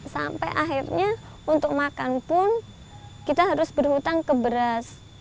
sampai akhirnya untuk makan pun kita harus berhutang ke beras